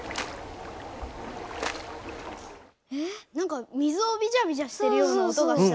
なんか水をビチャビチャしてるような音がした。